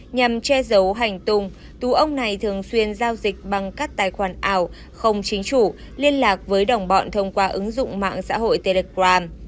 nhằm che giấu hành tùng tú ông này thường xuyên giao dịch bằng các tài khoản ảo không chính chủ liên lạc với đồng bọn thông qua ứng dụng mạng xã hội telegram